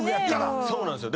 そうなんすよ。